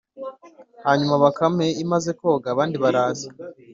hanyuma bakame imaze koga, abandi baraza